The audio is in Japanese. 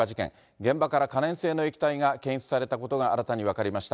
現場から可燃性の液体が検出されたことが新たに分かりました。